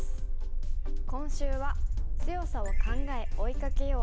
今週は「強さを考え追いかけよう」。